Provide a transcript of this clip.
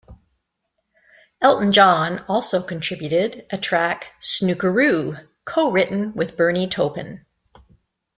Elton John also contributed a track, "Snookeroo", co-written with Bernie Taupin.